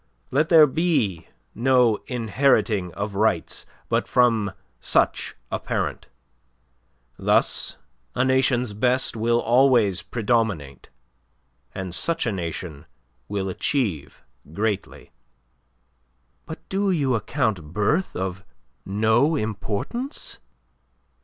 Let there be no inheriting of rights but from such a parent. Thus a nation's best will always predominate, and such a nation will achieve greatly." "But do you account birth of no importance?"